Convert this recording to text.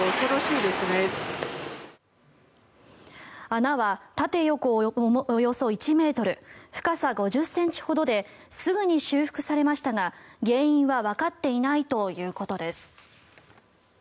穴は、縦横およそ１ｍ深さ５０ｃｍほどですぐに修復されましたが原因はわかっていないということです。